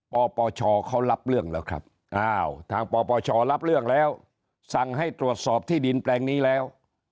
ปปชเขารับเรื่องแล้วครับอ้าวทางปปชรับเรื่องแล้วสั่งให้ตรวจสอบที่ดินแปลงนี้แล้ว